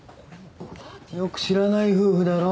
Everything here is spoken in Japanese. よく知らない夫婦だろ。